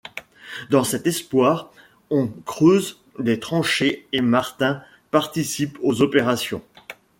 Dans cet espoir, on creuse des tranchées et Martin participe aux opérations.